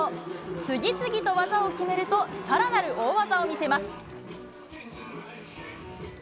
次々と技を決めると、さらなる大技を見せます。